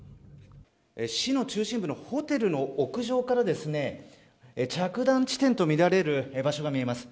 市の中心部のホテルの屋上から着弾地点とみられる場所が見えます。